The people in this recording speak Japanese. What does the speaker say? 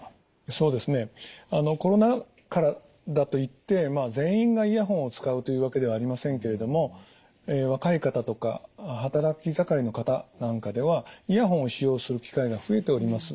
そうですねあのコロナ禍だといってまあ全員がイヤホンを使うというわけではありませんけれども若い方とか働き盛りの方なんかではイヤホンを使用する機会が増えております。